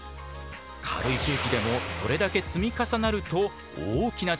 軽い空気でもそれだけ積み重なると大きな力を生み出す。